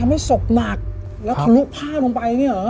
ทำให้ศพหนักแล้วถึงลูกพลาดลงไปเนี่ยเหรอ